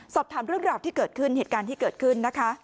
สอบถามเรื่องราวที่เกิดขึ้นเหตุการณ์ที่เกิดขึ้นนะคะ